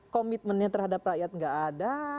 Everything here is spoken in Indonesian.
komitmennya terhadap rakyat nggak ada